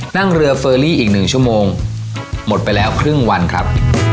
นั่งเรือเฟอรี่อีก๑ชั่วโมงหมดไปแล้วครึ่งวันครับ